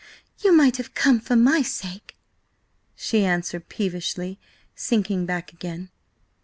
"You might have come for my sake," she answered peevishly, sinking back again.